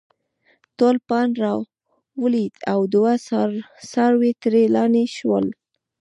ټول پاڼ راولويد او دوه څاروي ترې لانې شول